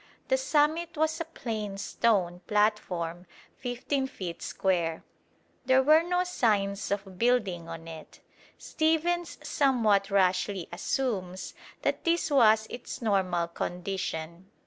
The summit was a plain stone platform 15 feet square. There were no signs of building on it. Stephens somewhat rashly assumes that this was its normal condition.